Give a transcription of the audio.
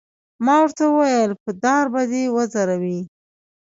ما ورته وویل: په دار به دې وځړوي.